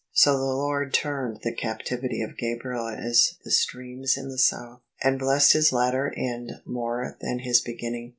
So the Lord turned the captivity of Gabriel as the streams in the south, and blessed his latter end more than his begin ning.